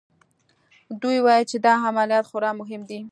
دوی ویل چې دا عملیات خورا مهم دی